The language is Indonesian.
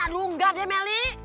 aduh enggak deh meli